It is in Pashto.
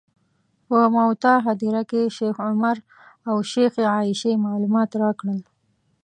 په موته هدیره کې شیخ عمر او شیخې عایشې معلومات راکړل.